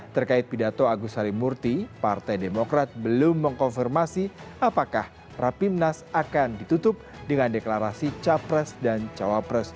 terkait pidato agus sarimurti partai demokrat belum mengkonfirmasi apakah rapimnas akan ditutup dengan deklarasi capres dan cawapres dua ribu sembilan belas